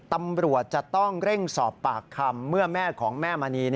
ตำรวจจะต้องเร่งสอบปากคำเมื่อแม่ของแม่มณี